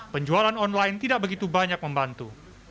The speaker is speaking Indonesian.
penjualan online tidak begitu banyak membantu